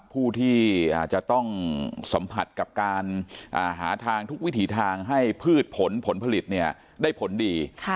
ผู้ที่จะต้องสัมผัสกับการหาทางทุกวิถีทางให้พืชผลผลผลิตได้ผลดี